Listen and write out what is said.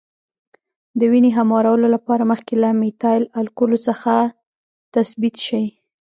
د وینې هموارولو لپاره مخکې له میتایل الکولو څخه تثبیت شي.